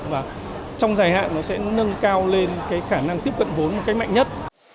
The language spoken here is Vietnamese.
và trong dài hạn nó sẽ nâng cao lên cái khả năng tiếp cận vốn một cách mạnh nhất